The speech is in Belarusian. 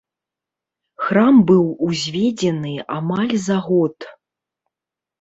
Храм быў узведзены амаль за год.